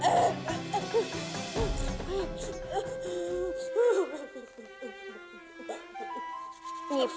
aku akan menang